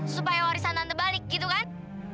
supaya warisan nanti balik gitu kan